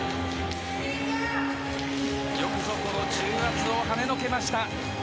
よくぞ、この重圧をはねのけました。